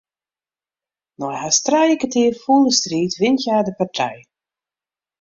Nei hast trije kertier fûle striid wint hja de partij.